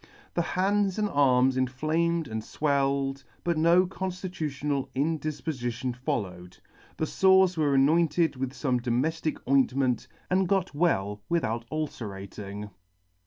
The hands and arms inflamed and fwelled, but no conftitutional indifpofition followed. The fores were anointed with fome domeftic ointment, and got well without ulcerating.